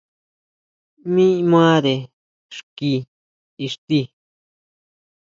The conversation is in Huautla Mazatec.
Mi mare xki ixti.